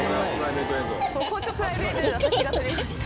本当プライベートで私が撮りました。